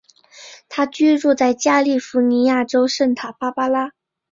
他居住在加利福尼亚州圣塔芭芭拉。